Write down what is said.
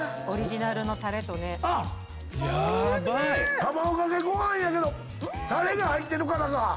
卵掛けご飯やけどたれが入ってるからか！